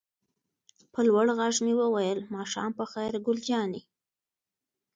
په لوړ غږ مې وویل: ماښام په خیر ګل جانې.